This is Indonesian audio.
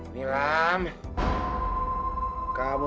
tidak ada apa apa